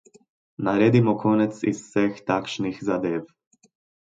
Naredimo konec iz vseh takšnih zadev.